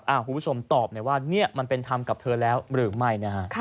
คุณผู้ชมตอบไหมว่าเนี้ยมันเป็นทำกับเธอแล้วหรือไม่นะครับ